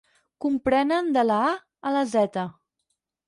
Comprenen de la a a la zeta.